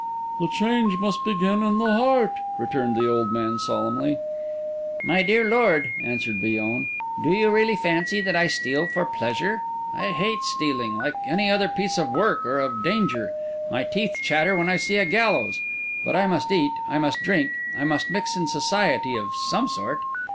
"The change must begin in the heart," returned the old man solemnly. "My dear lord," answered Villon, "do you really fancy that I steal for pleasure? I hate stealing, like any other piece of work or of danger. My teeth chatter when I see a gallows. But I must eat, I must drink, I must mix in society of some sort.